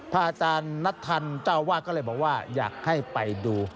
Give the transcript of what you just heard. อาจารย์นัทธันเจ้าอาวาสก็เลยบอกว่าอยากให้ไปดู